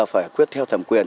phải quyết theo thẩm quyền